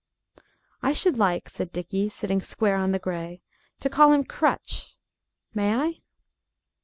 "I should like," said Dickie, sitting square on the gray, "to call him Crutch. May I?"